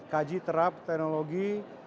kaji terap teknologi